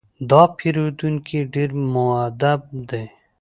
دا پیرودونکی ډېر مؤدب دی.